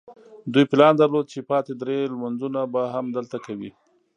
دوی پلان درلود چې پاتې درې لمونځونه به هم دلته کوي.